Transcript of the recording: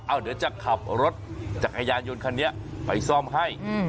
เดี๋ยวจะขับรถจักรยานยนต์คันนี้ไปซ่อมให้